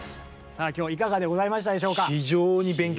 今日いかがでございましたでしょうか？